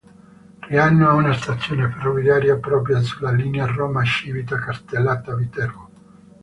Riano ha una stazione ferroviaria propria sulla linea Roma-Civita Castellana-Viterbo.